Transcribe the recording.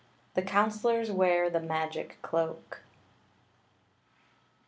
THE COUNSELORS WEAR THE MAGIC CLOAK.